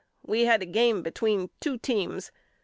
We had a game between two teams.